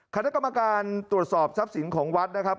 คณะกรรมการตรวจสอบทรัพย์สินของวัดนะครับ